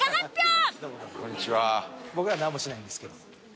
僕ら何もしないんですけど。